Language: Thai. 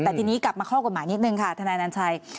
แต่ทีนี้กลับมาข้อกฎหมายนิดนึงค่ะทนายนัญชัย